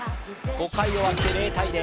５回終わって０−０。